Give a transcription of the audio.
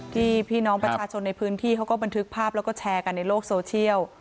พี่น้องประชาชนในพื้นที่เขาก็บันทึกภาพแล้วก็แชร์กันในโลกโซเชียล